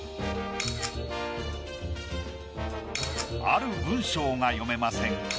ある文章が読めませんか？